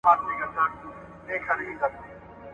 دا سپارښتنه چې لیکل شوې، مهمه ده.